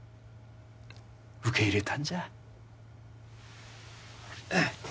受け入れたんじゃ